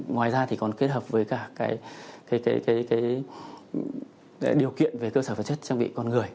ngoài ra còn kết hợp với các điều kiện về cơ sở phân xuất trang bị con người